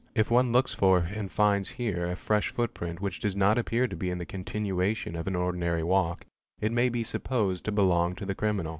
If one looks for and finds here a fresh footprint which does not appear to be the continu ation of an ordinary walk, it may be supposed to belong to the criminal.